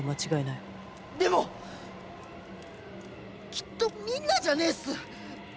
でもきっとみんなじゃねえっす。